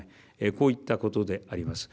こういったことであります。